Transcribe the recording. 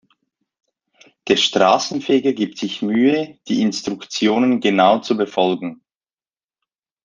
Der Straßenfeger gibt sich Mühe, die Instruktionen genau zu befolgen.